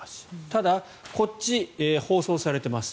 ただ、こっち包装されています。